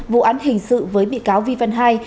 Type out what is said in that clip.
vụ án hình sự với bị cáo vi văn hai